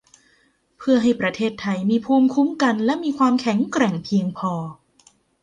เพื่อให้ประเทศไทยมีภูมิคุ้มกันและมีความแข็งแกร่งเพียงพอ